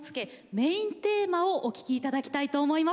メインテーマをお聴きいただきたいと思います。